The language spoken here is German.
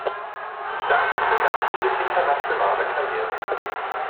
Damit begann ihre internationale Karriere.